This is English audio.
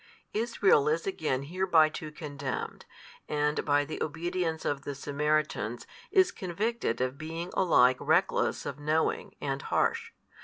Israel is again hereby too condemned, and by the obedience 11 of the Samaritans, is convicted of being alike reckless of knowing and harsh.